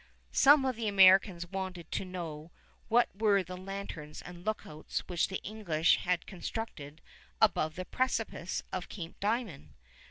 Some of the Americans wanted to know what were the lanterns and lookouts which the English had constructed above the precipice of Cape Diamond.